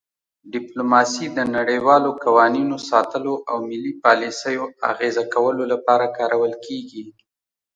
ډیپلوماسي د نړیوالو قوانینو ساتلو او ملي پالیسیو اغیزه کولو لپاره کارول کیږي